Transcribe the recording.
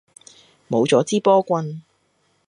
冇咗支波棍